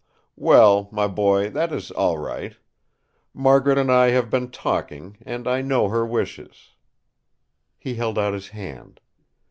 "Well, my boy, that is all right. Margaret and I have been talking, and I know her wishes." He held out his hand.